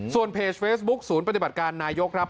ส่วนเพจเฟซบุ๊คศูนย์ปฏิบัติการนายกครับ